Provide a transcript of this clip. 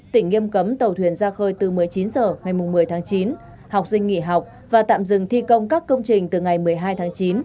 tỉnh nghiêm cấm tàu thuyền ra khơi từ một mươi chín h ngày một mươi tháng chín học sinh nghỉ học và tạm dừng thi công các công trình từ ngày một mươi hai tháng chín